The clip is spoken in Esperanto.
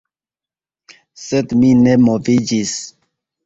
Sed mi ne moviĝis.